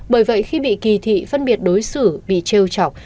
bởi vậy khi bị kỳ thị phân biệt đối xử bị treo chọc